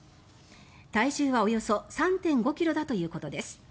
体重はおよそ３．５ｋｇだということです。